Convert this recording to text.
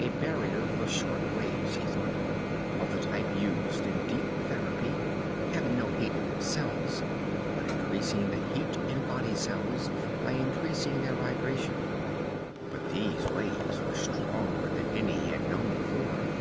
A barrier of short waves, he thought, of the type used in deep therapy, having no heat in themselves but increasing the heat in body cells by increasing their vibration. But these waves were stronger than any he had known before.